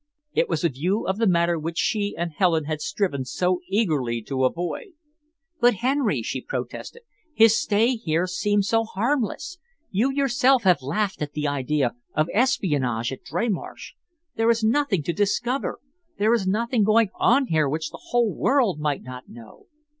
It was a view of the matter which she and Helen had striven so eagerly to avoid. "But, Henry," she protested, "his stay here seemed so harmless. You yourself have laughed at the idea of espionage at Dreymarsh. There is nothing to discover. There is nothing going on here which the whole world might not know."